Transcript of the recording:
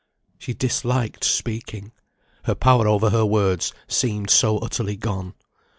She disliked speaking, her power over her words seemed so utterly gone.